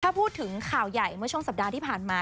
ถ้าพูดถึงข่าวใหญ่เมื่อช่วงสัปดาห์ที่ผ่านมา